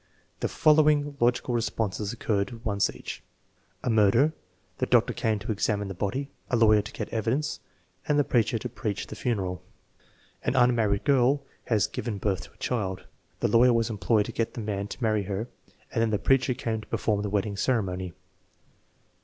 The following logical responses occurred once each: "A murder. The doctor came to examine the body, the lawyer to get evidence, and the preacher to preach the funeral." "An unmarried girl has given birth to a child. The lawyer was employed to get the man to marry her and then the preacher came to perform the wedding ceremony."